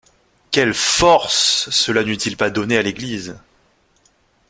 Quelle force cela n'eût-il pas donnée à l'Église.